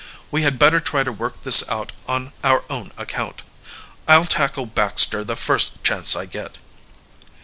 We had better try to work this out on our own account. I'll tackle Baxter the first chance I get."